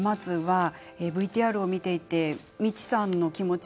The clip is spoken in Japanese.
ＶＴＲを見ていてみちさんの気持ち